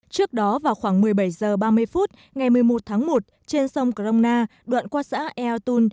trước đó vào khoảng một mươi bảy h ba mươi ngày một mươi một tháng một trên sông crong na đoạn qua xã ea chun